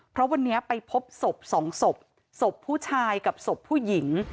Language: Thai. เพราะวันนี้ไปพบศพสองศพศพผู้ชายกับศพผู้หญิง